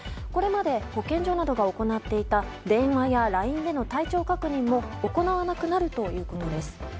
これまで保健所などが行っていた電話やＬＩＮＥでの体調確認も行わなくなるということです。